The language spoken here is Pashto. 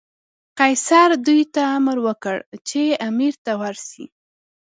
قیصر دوی ته امر وکړ چې امیر ته ورسي.